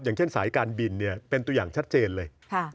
อย่างเช่นสายการบินเป็นตัวอย่างชัดเจนเลย